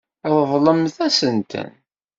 Ṛeḍlemt-asent-ten.